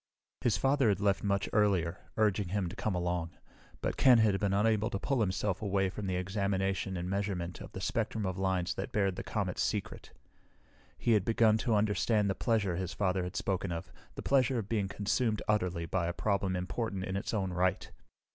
His father had left much earlier, urging him to come along, but Ken had been unable to pull himself away from the examination and measurement of the spectrum of lines that bared the comet's secret. He had begun to understand the pleasure his father had spoken of, the pleasure of being consumed utterly by a problem important in its own right.